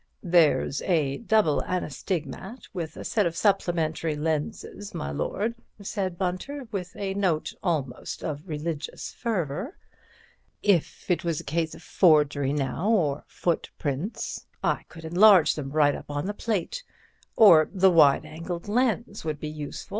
"There's a Double Anastigmat with a set of supplementary lenses, my lord," said Bunter, with a note almost of religious fervour. "If it was a case of forgery now—or footprints—I could enlarge them right up on the plate. Or the wide angled lens would be useful.